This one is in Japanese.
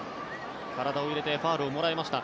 体を入れてファウルをもらいました。